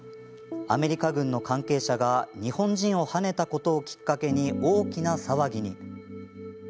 アメリカ軍の関係者が日本人をはねたことをきっかけに大きな騒ぎに。